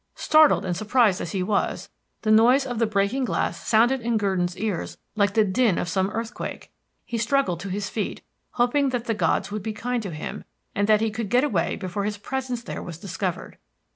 Startled and surprised as he was, the noise of the breaking glass sounded in Gurdon's ears like the din of some earthquake. He struggled to his feet, hoping that the gods would be kind to him, and that he could get away before his presence there was discovered.